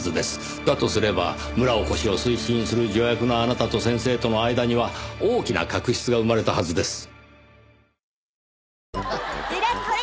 だとすれば村おこしを推進する助役のあなたと先生との間には大きな確執が生まれたはずです。